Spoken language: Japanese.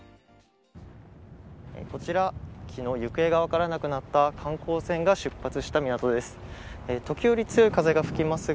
こちら、昨日行方が分からなくなった観光船が出発した港です。